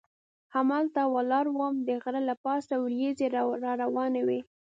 همالته ولاړ وم چې د غره له پاسه وریځې را روانې وې.